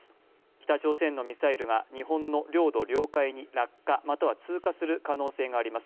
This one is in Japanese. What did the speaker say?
北朝鮮のミサイルが日本の領土・領海に落下または通過する見通しです。